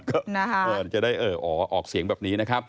ก็เผินจะได้ออกเสียงแบบนี้นะครับ